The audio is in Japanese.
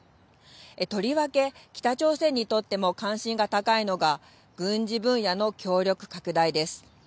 とりわけ、北朝鮮にとっても関心が高いのが、軍事分野の協力拡大です。